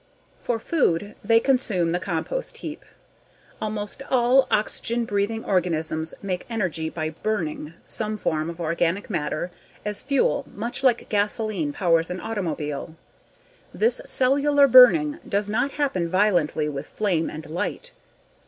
For food, they consume the compost heap. Almost all oxygen breathing organisms make energy by "burning" some form of organic matter as fuel much like gasoline powers an automobile. This cellular burning does not happen violently with flame and light.